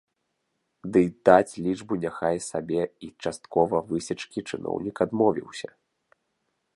Ды й даць лічбу няхай сабе і часткова высечкі чыноўнік адмовіўся.